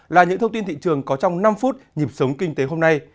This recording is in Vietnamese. là những thông tin thị trường có trong năm phút nhịp sống kinh tế hôm nay